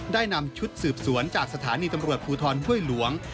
ได้นำชุดสืบสวนจากสถานีตำรวจภูทรห้วยหลวง